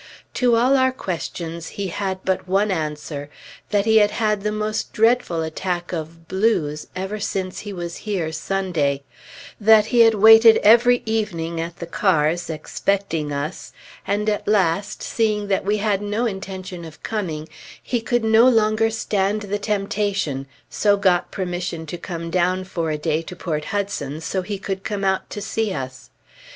To all our questions, he had but one answer, that he had had the most dreadful attack of "blues" ever since he was here Sunday; that he had waited every evening at the cars, expecting us, and at last, seeing that we had no intention of coming, he could no longer stand the temptation, so got permission to come down for a day to Port Hudson so he could come out to see us....